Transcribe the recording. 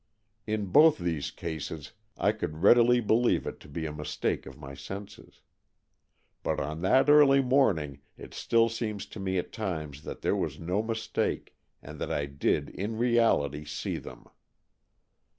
In both these cases I could readily believe it to be a mistake of my senses. But on that early morning it still seems to me at times that there was no mistake, and that I did in reality see them.